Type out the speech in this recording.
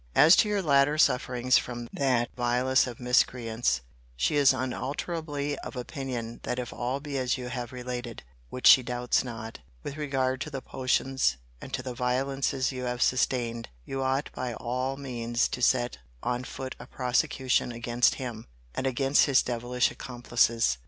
As to your latter sufferings from that vilest of miscreants, she is unalterably of opinion that if all be as you have related (which she doubts not) with regard to the potions, and to the violences you have sustained, you ought by all means to set on foot a prosecution against him, and against his devilish accomplices.